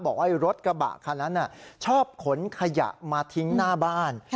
บอกว่ารถกระบะคันนั้นชอบขนขยะมาทิ้งหน้าบ้าน